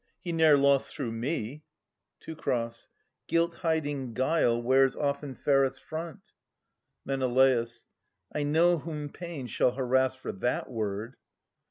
He ne'er lost through me. Teu. Guilt hiding guile wears often fairest front. Men. I know whom pain shall harass for that word.